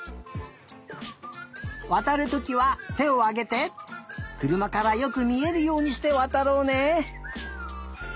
わたるときはてをあげてくるまからよくみえるようにしてわたろうね。